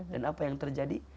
dan apa yang terjadi